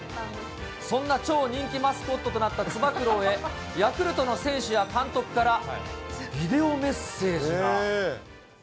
そんな超人気マスコットとなったつば九郎へ、ヤクルトの選手や監督から、ビデオメッセージが。